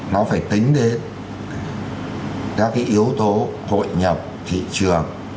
nó phải tính đến các cái yếu tố hội nhập thị trường